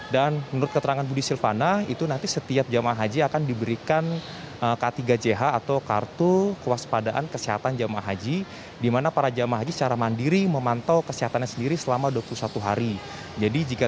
dan menurut keterangan budi silvana itu nanti setiap jemaah haji akan diberikan k tiga jh atau kartu kewas padaan kesehatan jemaah haji